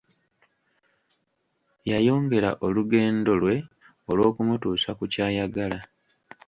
Yayongera olugendo lwe olw'okumutuusa ku ky'ayagala.